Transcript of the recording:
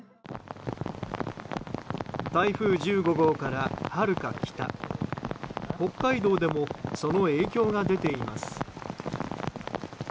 台風１５号からはるか北北海道でもその影響が出ています。